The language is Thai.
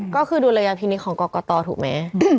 ก็คือดูลยาพินิตของกกตถูกไหม